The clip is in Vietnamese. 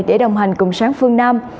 để đồng hành cùng sáng phương nam